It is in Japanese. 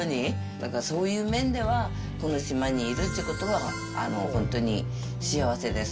だからそういう面では、この島にいるっちゅうことは、本当に幸せです。